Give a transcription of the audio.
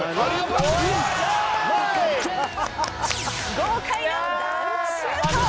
豪快なダンクシュート！